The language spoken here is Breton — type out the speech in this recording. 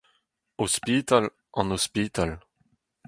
ospital, an ospital